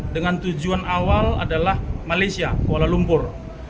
dengan tujuan awal adalah malaysia kuala lumpur